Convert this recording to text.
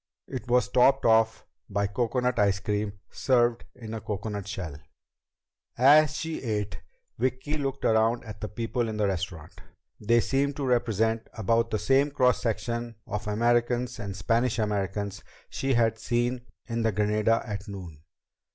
It was topped off by coconut ice cream served in a coconut shell. As she ate, Vicki looked around at the people in the restaurant. They seemed to represent about the same cross section of Americans and Spanish Americans she had seen in the Granada at noon.